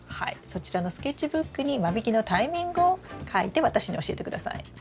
そちらのスケッチブックに間引きのタイミングを書いて私に教えて下さい。